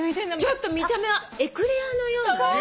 ちょっと見た目はエクレアのようなね。